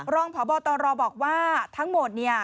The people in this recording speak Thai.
รองพบตรบอกว่าทั้งหมดเนี่ย